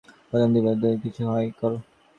প্রথমে দিবার মত কিছু সঞ্চয় কর।